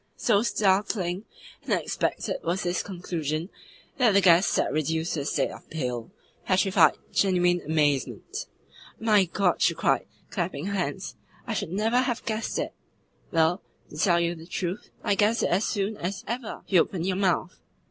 So startling and unexpected was this conclusion that the guest sat reduced to a state of pale, petrified, genuine amazement. "My God!" she cried, clapping her hands, "I should NEVER have guessed it!" "Well, to tell you the truth, I guessed it as soon as ever you opened your mouth."